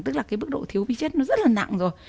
tức là cái mức độ thiếu vi chất nó rất là nặng rồi